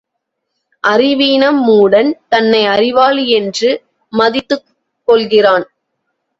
அறிவீனம் மூடன் தன்னை அறிவாளி என்று மதித்துக் கொள்கிறான்.